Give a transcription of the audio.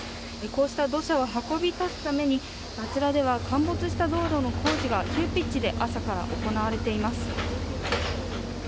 こうした土砂を運び出すためにあちらでは陥没した道路の工事が急ピッチで朝から行われています。